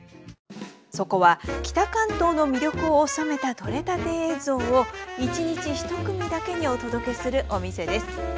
そこは北関東の魅力を収めた撮れたて映像を一日一組だけにお届けするお店です。